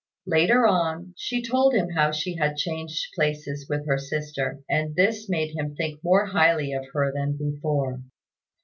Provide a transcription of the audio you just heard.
Later on, she told him how she had changed places with her sister, and this made him think more highly of her than before.